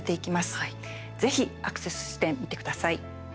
ぜひアクセスしてみてください。